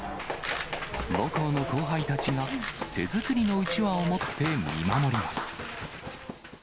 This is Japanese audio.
母校の後輩たちが手作りのうちわを持って見守ります。